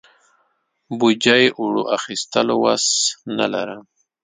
بوجۍ اوړو اخستلو وس نه لرم.